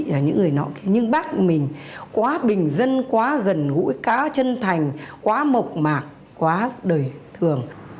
là những người nọ nhưng bác mình quá bình dân quá gần gũi cá chân thành quá mộc mạc quá đời thường